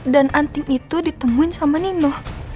dan anting itu ditemuin sama nino